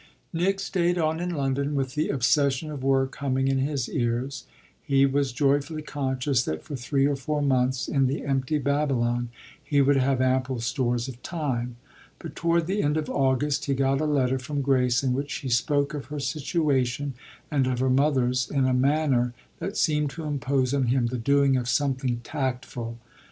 Nick stayed on in London with the obsession of work humming in his ears; he was joyfully conscious that for three or four months, in the empty Babylon, he would have ample stores of time. But toward the end of August he got a letter from Grace in which she spoke of her situation and of her mother's in a manner that seemed to impose on him the doing of something tactful.